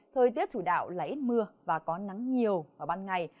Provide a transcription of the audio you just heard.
thời tiết chủ đạo là ít mưa và có nắng nhiều vào ban ngày